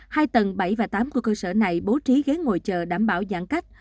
hai tầng bảy và tám của cơ sở này bố trí ghế ngồi chờ đảm bảo giãn cách